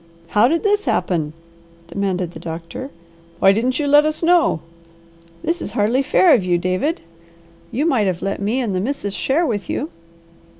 "How did this happen?" demanded the doctor. "Why didn't you let us know? This is hardly fair of you, David. You might have let me and the Missus share with you."